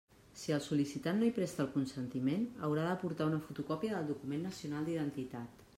Si el sol·licitant no hi presta el consentiment, haurà d'aportar una fotocòpia del document nacional d'identitat.